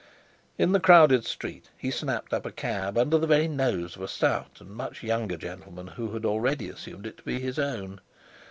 In the crowded street he snapped up a cab under the very nose of a stout and much younger gentleman, who had already assumed it to be his own.